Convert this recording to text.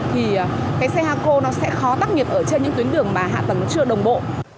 thì cái xe hako nó sẽ khó tắc nhiệt ở trên những tuyến đường mà hạ tầng nó chưa đồng bộ